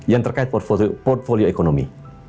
yang terkait portfolio ekonomi